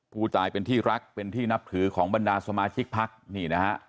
ผู้ตายเป็นที่รักเป็นที่นับถือของบรรดาสมาชิกพักนี่นะฮะ